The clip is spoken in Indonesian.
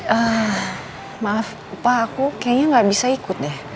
eh maaf pak aku kayaknya gak bisa ikut deh